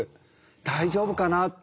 大丈夫かなって。